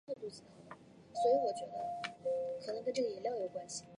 其后逐渐推出手机贴膜服务。